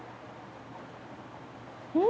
うん。